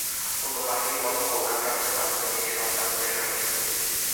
অন্য বাহিনীর মতো কল্যাণ ট্রাস্টের মাধ্যমে এ সেবা চালুর চেষ্টা করছে পুলিশ।